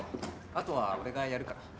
あとは俺がやるから。